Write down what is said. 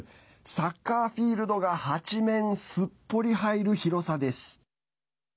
サッカーフィールドが８面すっぽり入る広さです。